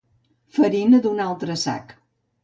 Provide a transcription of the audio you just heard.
Farina d'un altre sac.